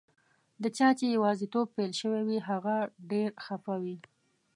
د چا چي یوازیتوب پیل شوی وي، هغه ډېر خفه وي.